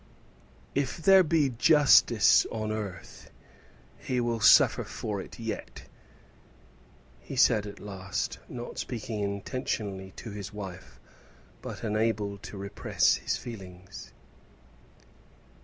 "If there be justice on earth he will suffer for it yet," he said at last, not speaking intentionally to his wife, but unable to repress his feelings.